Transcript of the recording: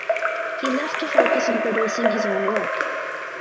He left to focus on producing his own work.